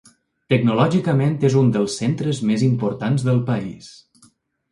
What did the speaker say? Tecnològicament és un dels centres més importants del país.